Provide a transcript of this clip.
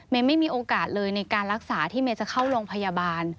ไม่มีโอกาสเลยในการรักษาที่เมย์จะเข้าโรงพยาบาล